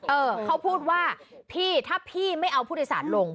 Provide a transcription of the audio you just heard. เออเขาพูดว่าพี่ถ้าพี่ไม่เอาผู้โดยสารลง